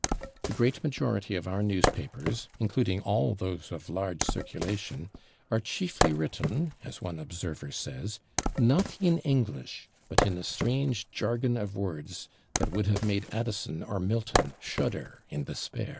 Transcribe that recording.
The great majority of our newspapers, including all those of large circulation, are chiefly written, as one observer says, "not in English, but in a strange jargon of words that would have made Addison or Milton shudder in despair."